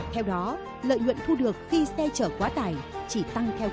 theo đó lợi nhuận thu được khi xe chở quá tải chỉ tăng theo cơ bản